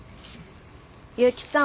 結城さん。